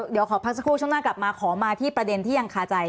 เดี๋ยวขอพักสักครู่ช่วงหน้ากลับมาขอมาที่ประเด็นที่ยังคาใจ